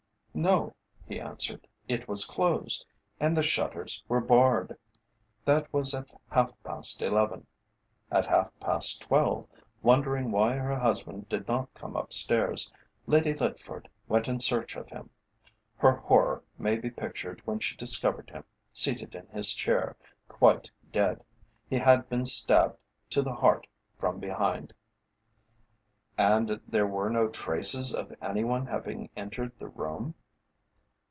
"No," he answered; "it was closed, and the shutters were barred. That was at half past eleven. At half past twelve, wondering why her husband did not come upstairs, Lady Litford went in search of him. Her horror may be pictured when she discovered him, seated in his chair, quite dead. He had been stabbed to the heart from behind." "And were there no traces of any one having entered the room?"